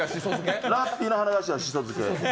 ラッピーの鼻頭しそ漬け。